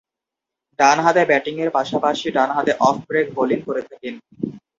ডানহাতে ব্যাটিংয়ের পাশাপাশি ডানহাতে অফ ব্রেক বোলিং করে থাকেন।